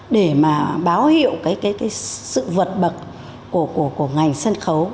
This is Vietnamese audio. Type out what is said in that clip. để mà báo hiệu cái sự vật bậc của ngành sân khấu